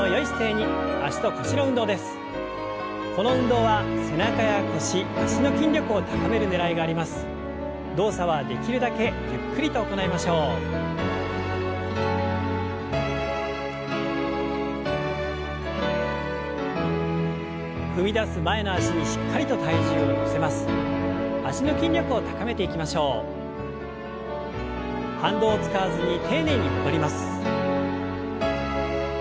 反動を使わずに丁寧に戻ります。